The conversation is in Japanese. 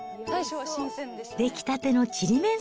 出来たてのちりめん